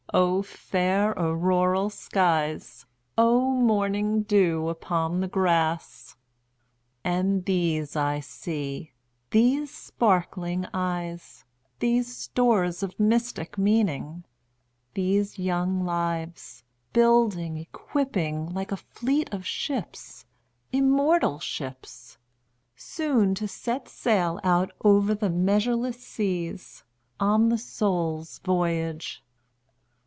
O fair auroral skies! O morning dew upon the grass! And these I see—these sparkling eyes, These stores of mystic meaning—these young lives, Building, equipping, like a fleet of ships—immortal ships! Soon to sail out over the measureless seas, On the Soul's voyage.